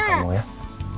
minta maaf kenapa